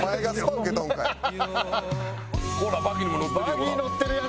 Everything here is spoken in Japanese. ほらバギーも乗ってるよ。